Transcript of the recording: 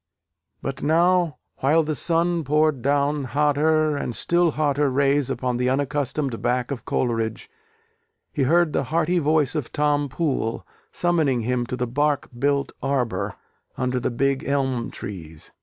But now, while the sun poured down hotter and still hotter rays upon the unaccustomed back of Coleridge, he heard the hearty voice of Tom Poole, summoning him to the bark built arbour under the big elm trees.